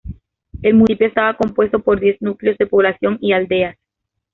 El municipio estaba compuesto por diez núcleos de población y aldeas.